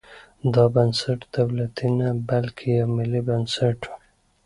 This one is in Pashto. دا بنسټ دولتي نه بلکې یو ملي بنسټ وي.